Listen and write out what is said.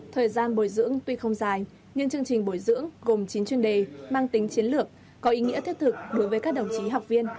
thời gian bồi dưỡng tuy không dài nhưng chương trình bồi dưỡng gồm chín chuyên đề mang tính chiến lược có ý nghĩa thiết thực đối với các đồng chí học viên